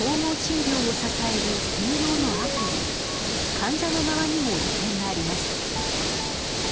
患者の側にも利点があります。